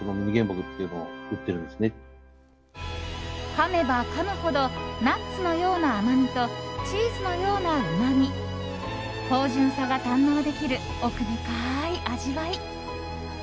かめばかむほどナッツのような甘みとチーズのようなうまみ芳醇さが堪能できる奥深い味わい。